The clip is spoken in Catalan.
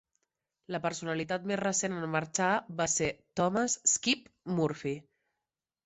La personalitat més recent en marxar va ser Thomas "Skip" Murphy.